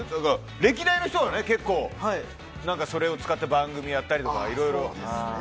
歴代の人は結構、それを使って番組やったりだとか、いろいろ。